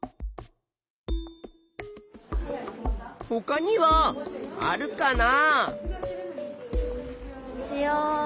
ほかにはあるかな？